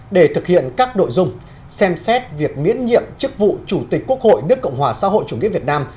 để thực hiện các nội dung xem xét việc miễn nhiệm chức vụ chủ tịch quốc hội nước cộng hòa xã hội chủ nghĩa việt nam